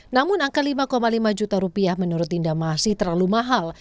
namun angka lima lima juta rupiah menurut dinda masih terlalu mahal